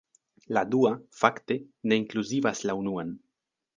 La dua, fakte, ne inkluzivas la unuan.